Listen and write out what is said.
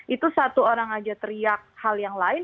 itu satu orang aja teriak hal yang lain